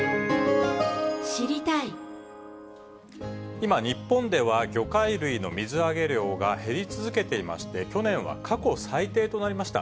今、日本では魚介類の水揚げ量が減り続けていまして、去年は過去最低となりました。